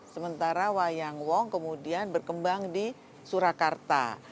sementara wayang wong kemudian berkembang di surakarta